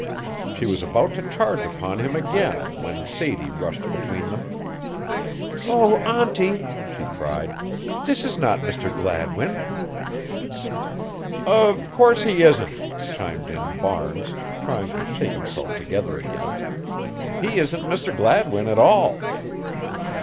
She was about to charge upon him again when Sadie rushed between them. "Oh, auntie," she cried. "This is not Mr. Gladwin." "Of course he isn't," chimed in Barnes, trying to shake himself together again. "He isn't Mr. Gladwin at all."